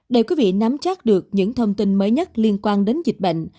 để quý vị nắm chắc được những thông tin mới nhất liên quan đến dịch bệnh